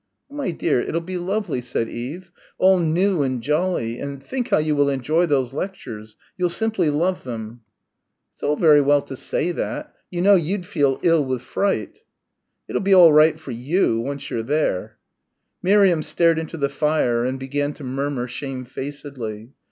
"Oh, my dear, it'll be lovely," said Eve; "all new and jolly, and think how you will enjoy those lectures, you'll simply love them." "It's all very well to say that. You know you'd feel ill with fright." "It'll be all right for you once you're there." Miriam stared into the fire and began to murmur shamefacedly.